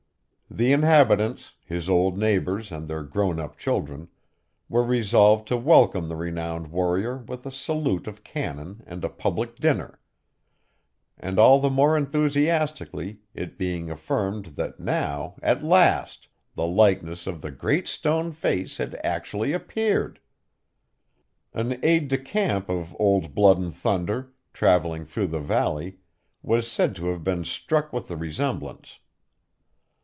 The inhabitants, his old neighbors and their grown up children, were resolved to welcome the renowned warrior with a salute of cannon and a public dinner; and all the more enthusiastically, it being affirmed that now, at last, the likeness of the Great Stone Face had actually appeared. An aid de camp of Old Blood and Thunder, travelling through the valley, was said to have been struck with the resemblance.